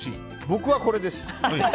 僕はこれです！